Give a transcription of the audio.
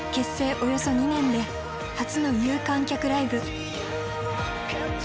およそ２年で初の有観客ライブ。